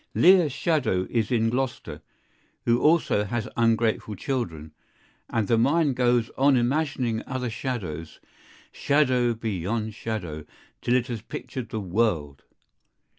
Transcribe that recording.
Lear's shadow is in Gloster, who also has ungrateful children, and the mind goes on imagining other shadows, shadow beyond shadow till it has pictured the world.